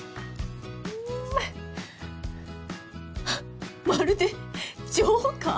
ハッまるでジョーカー？